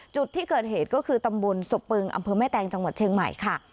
จุดที่เกิดเหตุก็คือตำบลสบปึงอำเภอแม่แตงจังหวัดเชียงใหม่ค่ะ